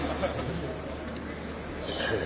ほう。